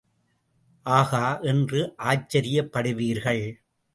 ஆகா என்று ஆச்சரியப்படுவீர்கள்.